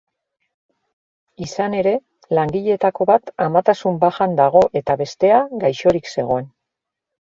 Izan ere, langileetako bat amatasun-bajan dago eta bestea gaixorik zegoen.